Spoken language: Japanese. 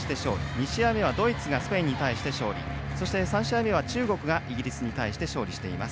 ２試合目はドイツがスペインに対して勝利３試合目は中国がイギリスに対して勝利しています。